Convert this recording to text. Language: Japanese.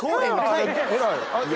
偉い！